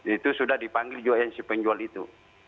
itu sudah dipanggil juga yang si penjual itu